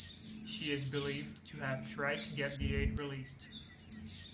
She is believed to have tried to get the aid released.